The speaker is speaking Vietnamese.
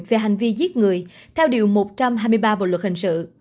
về hành vi giết người theo điều một trăm hai mươi ba bộ luật hình sự